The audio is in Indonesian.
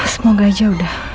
semoga aja udah